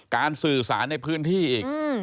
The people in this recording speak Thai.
สื่อสารในพื้นที่อีก